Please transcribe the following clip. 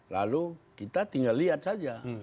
lalu kita tinggal lihat saja